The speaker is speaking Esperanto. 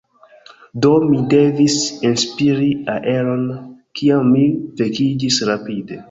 Do mi devis enspiri aeron, kiam mi vekiĝis rapide.